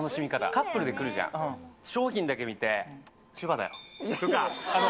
カップルで来るじゃん、商品だけ見て千葉だよとか。